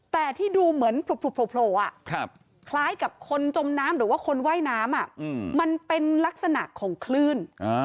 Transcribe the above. แต่ที่ดูเหมือนโผล่คล้ายกับคนจมน้ำหรือว่าคนว่ายน้ำมันเป็นลักษณะของคลื่น